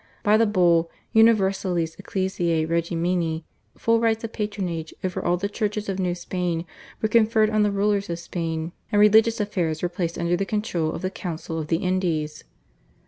By the Bull, /Universalis Ecclesiae regimini/, full rights of patronage over all the churches of New Spain were conferred on the rulers of Spain, and religious affairs were placed under the control of the Council of the Indies.